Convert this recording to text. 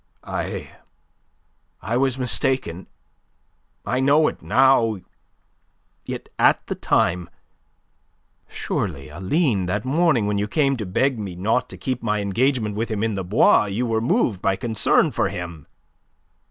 "I I was mistaken. I know it now. Yet, at the time... surely, Aline, that morning when you came to beg me not to keep my engagement with him in the Bois, you were moved by concern for him?"